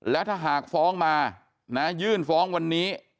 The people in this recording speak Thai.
แล้วถ้าหากฟ้องมายื่นฟ้องวันนี้